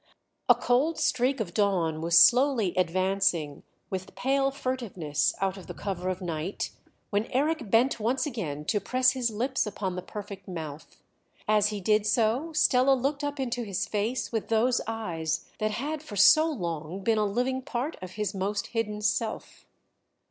A cold streak of dawn was slowly advancing with pale furtiveness out of the cover of night, when Eric bent once again to press his lips upon the perfect mouth; as he did so Stella looked up into his face with those eyes that had for so long been a living part of his most hidden self.